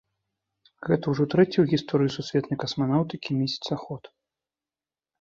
Гэта ўжо трэці ў гісторыі сусветнай касманаўтыкі месяцаход.